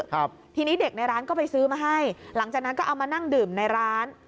ครับทีนี้เด็กในร้านก็ไปซื้อมาให้หลังจากนั้นก็เอามานั่งดื่มในร้าน